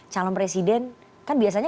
calon presiden kan biasanya